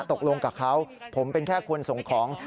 ตกลงกับเขาผมเป็นแค่คนส่งของ